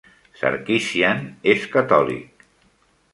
Sarkisian és catòlic.